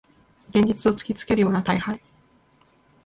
現実を突きつけるような大敗